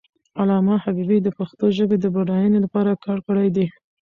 علامه حبیبي د پښتو ژبې د بډاینې لپاره کار کړی دی.